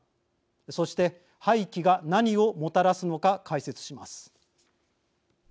そして廃棄が何をもたらすのか解説します。